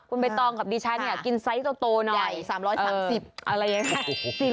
คุณไปตองกับดิฉันอยากกินไซส์โตหน่อยใหญ่สามร้อยสามสิบ